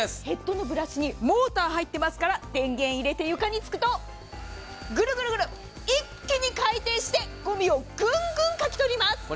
ヘッドのブラシにモーターが入ってますから電源入れて、床につくと、グルグルグル、一気に回転してごみをぐんぐんかき取ります。